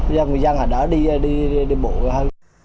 do người dân ở đó đi bộ hơn